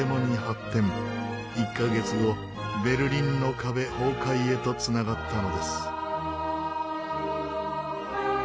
１カ月後ベルリンの壁崩壊へと繋がったのです。